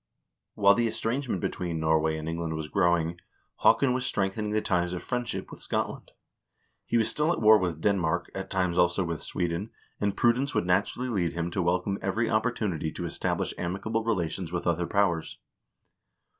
1 While the estrangement between Norway and England was grow ing, Haakon was strengthening the ties of friendship with Scotland. He was still at war with Denmark, at times also with Sweden, and prudence would naturally lead him to welcome every opportunity to establish amicable relations with other powers.